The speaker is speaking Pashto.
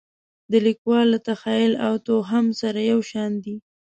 د لیکوال له تخیل او توهم سره یو شان دي.